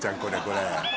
これこれ。